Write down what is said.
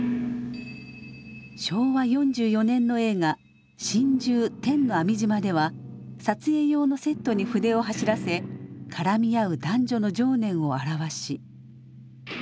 昭和４４年の映画「心中天網島」では撮影用のセットに筆を走らせ絡み合う男女の情念を表し。